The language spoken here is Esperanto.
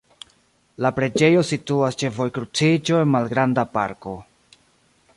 La preĝejo situas ĉe vojkruciĝo en malgranda parko.